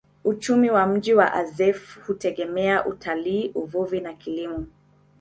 Uchumi wa mji wa Azeffou hutegemea utalii, uvuvi na kilimo.